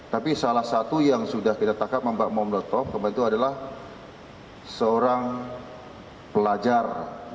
tapi salah satu yang sudah kita takap membawa bom molotov kembali itu adalah seorang pelajar